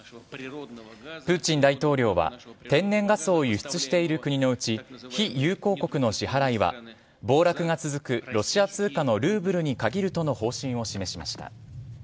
プーチン大統領は天然ガスを輸出している国のうち非友好国の支払いは暴落が続くロシア通貨のルーブルに限るとの方針を示しました。